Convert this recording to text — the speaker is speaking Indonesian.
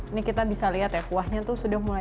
ini kita bisa lihat ya kuahnya tuh sudah mulai